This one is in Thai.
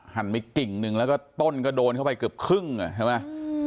หันไปกิ่งหนึ่งแล้วก็ต้นก็โดนเข้าไปเกือบครึ่งอ่ะใช่ไหม